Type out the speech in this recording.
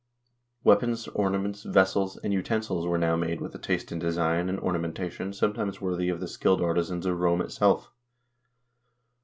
Weapons, ornaments, vessels, and utensils were now made with a taste in design and ornamentation sometimes worthy of the skilled artisans of Rome itself.